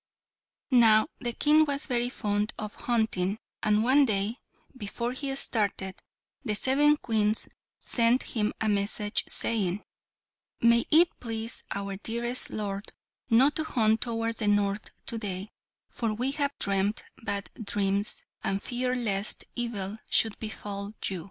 Now the King was very fond of hunting, and one day, before he started, the seven Queens sent him a message saying, "May it please our dearest lord not to hunt towards the north to day, for we have dreamt bad dreams, and fear lest evil should befall you."